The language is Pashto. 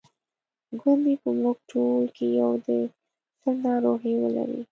ګوندي په موږ ټولو کې یو د سِل ناروغي ولري.